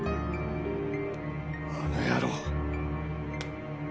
あの野郎！